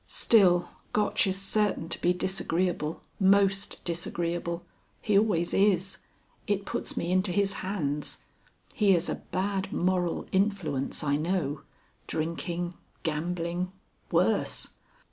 "Still, Gotch is certain to be disagreeable, most disagreeable. He always is. It puts me into his hands. He is a bad moral influence, I know. Drinking. Gambling. Worse.